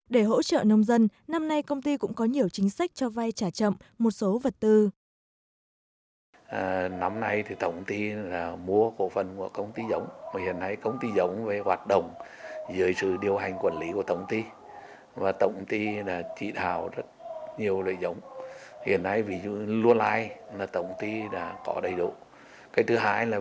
để hỗ trợ nông dân năm nay công ty cũng có nhiều chính sách cho vai trả chậm một số vật tư